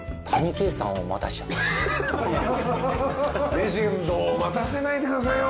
レジェンドを待たせないでくださいよ。